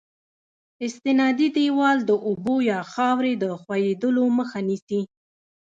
استنادي دیوال د اوبو یا خاورې د ښوېدلو مخه نیسي